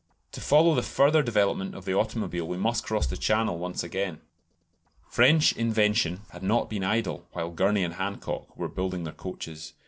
To follow the further development of the automobile we must cross the Channel once again. French invention had not been idle while Gurney and Hancock were building their coaches.